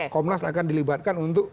komnas akan dilibatkan untuk